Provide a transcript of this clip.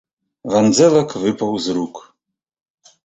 Вандзэлак выпаў з рук.